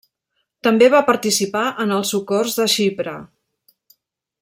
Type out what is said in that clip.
També va participar en el socors de Xipre.